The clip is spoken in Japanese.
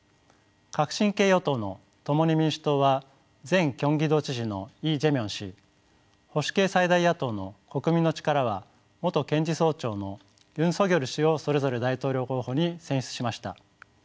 革新系与党の「共に民主党」は前京畿道知事のイ・ジェミョン氏保守系最大野党の「国民の力」は元検事総長のユン・ソギョル氏をそれぞれ大統領候補に選出しました。